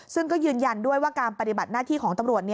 ซึ่งก็ยืนยันด้วยว่าการปฏิบัติหน้าที่ของตำรวจ